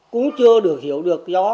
cũng chưa được hiểu được gió